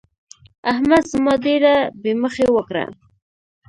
احمد زما ډېره بې مخي وکړه.